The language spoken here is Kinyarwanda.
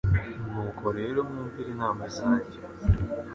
Nuko rero mwumvire inama zanjye.